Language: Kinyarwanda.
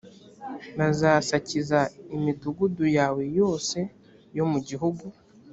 bazasakiza imidugudu yawe yose yo mu gihugu